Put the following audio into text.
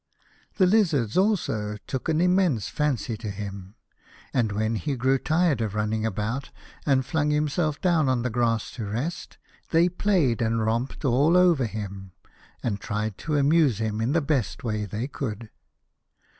The Lizards also took an immense fancy to him, and when he grew tired of running about and flung himself down on the grass to rest, they played and romped all over him, and 47 A House of Pomegranates. tried to amuse him in the best way they could.